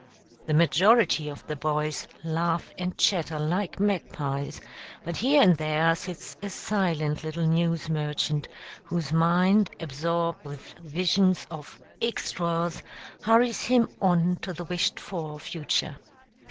The majority of the boys laugh and chatter like magpies, but here and there sits a silent little news merchant, whose mind, absorbed with visions of "extras," hurries him on to the wished for future.